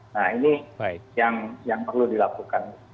nah ini yang perlu dilakukan